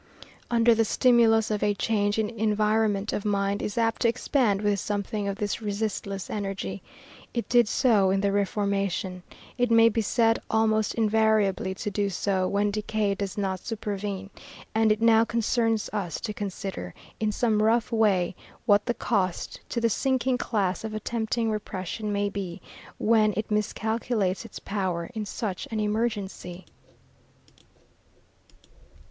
Under the stimulus of a change in environment of mind is apt to expand with something of this resistless energy. It did so in the Reformation. It may be said almost invariably to do so, when decay does not supervene, and it now concerns us to consider, in some rough way, what the cost to the sinking class of attempting repression may be, when it miscalculates its power in such an emergency.